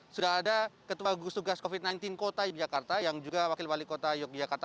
sudah ada ketua gugus tugas covid sembilan belas kota yogyakarta yang juga wakil wali kota yogyakarta